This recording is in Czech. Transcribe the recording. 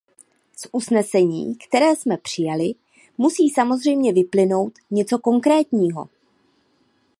Z usnesení, které jsme přijali, musí samozřejmě vyplynout něco konkrétního.